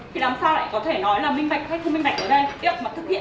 thì làm sao lại có thể nói là minh bạch hay không minh bạch ở đây